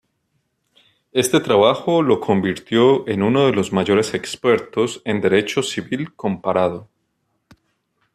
Este trabajo lo convirtió en uno de los mayores expertos en derecho civil comparado.